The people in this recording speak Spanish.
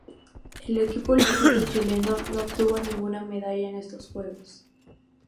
El equipo olímpico chileno no obtuvo ninguna medalla en estos Juegos.